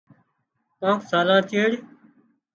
ڪانڪ سالان چيڙ